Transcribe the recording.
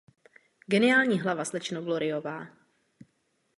Geniální hlava, slečno Gloryová.